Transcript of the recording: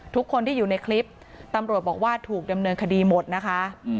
ทุกคนที่อยู่ในคลิปตำรวจบอกว่าถูกดำเนินคดีหมดนะคะ